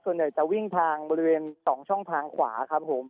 ส่วนใหญ่จะวิ่งทางบริเวณ๒ช่องทางขวาครับผม